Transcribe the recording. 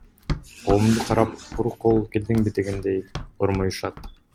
Колумду карап, куру кол келдиңби дегендей ормоюшат.